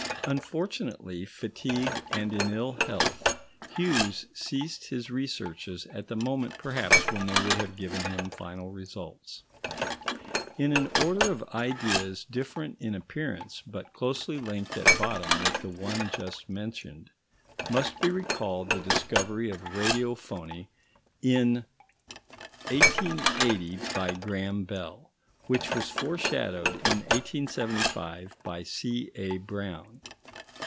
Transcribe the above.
Unfortunately, fatigued and in ill health, Hughes ceased his researches at the moment perhaps when they would have given him final results. In an order of ideas different in appearance, but closely linked at bottom with the one just mentioned, must be recalled the discovery of radiophony in 1880 by Graham Bell, which was foreshadowed in 1875 by C.A. Brown.